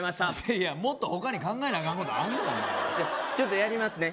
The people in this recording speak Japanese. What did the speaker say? いやもっと他に考えなアカンことあんでお前ちょっとやりますね